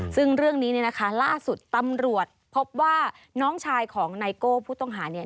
ซึ่งเรื่องนี้เนี่ยนะคะล่าสุดตำรวจพบว่าน้องชายของไนโก้ผู้ต้องหาเนี่ย